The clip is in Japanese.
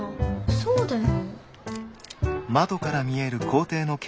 そうだよ。